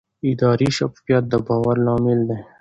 اداري شفافیت د باور لامل دی